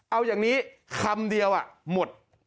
เอาอย่างนี้คำเดียวหมด